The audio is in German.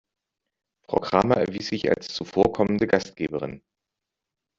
Frau Kramer erwies sich als zuvorkommende Gastgeberin.